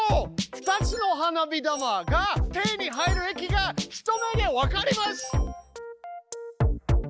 ２つの花火玉が手に入る駅が一目で分かります！